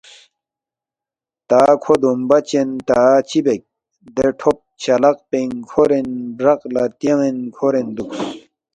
تا کھو دومبہ چن تا چِہ بیک دے ٹُھوب چلاق پِنگ کھورین برق لہ تیان٘ین کھورین دُوکس